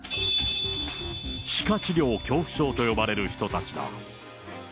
歯科治療恐怖症と呼ばれる人たちだ。